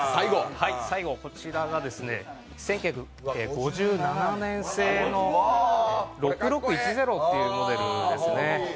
こちらが１９５７年製の６６１０というモデルですね。